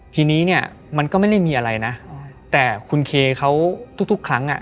ทีนี้เนี่ยมันก็ไม่ได้มีอะไรนะแต่คุณเคเขาทุกทุกครั้งอ่ะ